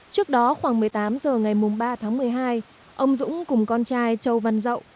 trước đó khoảng một mươi tám h ngày ba tháng một mươi hai ông dũng cùng con trai châu văn dậu